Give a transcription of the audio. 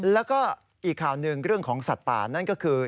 แล้วก็อีกข่าวหนึ่งเรื่องของสัตว์ป่านั่นก็คือ